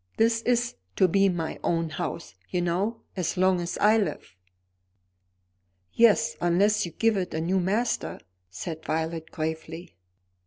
This is to be my own house, you know, as long as I live." "Yes; unless you give it a new master," said Violet gravely.